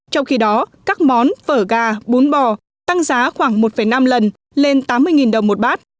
trong khi đó các món phở gà bún bò tăng giá khoảng một năm lần lên tám mươi đồng một bát